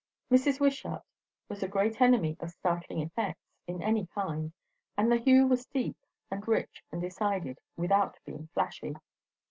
Mrs. Wishart was a great enemy of startling effects, in any kind; and the hue was deep and rich and decided, without being flashy.